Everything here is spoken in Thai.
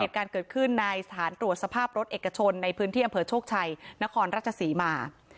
การเกิดขึ้นในสถานตรวจสภาพรถเอกชนในพื้นที่อำเภอโชคชัยนครราชศรีมา